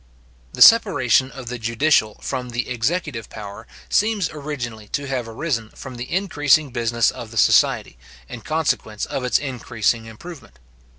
The separation of the judicial from the executive power, seems originally to have arisen from the increasing business of the society, in consequence of its increasing improvement.